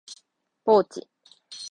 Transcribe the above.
ポーチ